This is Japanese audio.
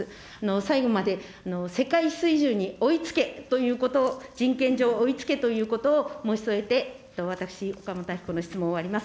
最後まで世界水準に追いつけということ、人権上、追いつけということを申し添えて、私、岡本あき子の質問、終わります。